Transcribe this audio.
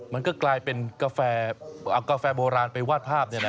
มันก็กลายเป็นกาแฟเอากาแฟโบราณไปวาดภาพเนี่ยแหละ